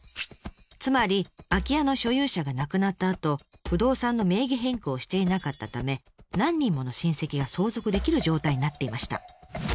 つまり空き家の所有者が亡くなったあと不動産の名義変更をしていなかったため何人もの親戚が相続できる状態になっていました。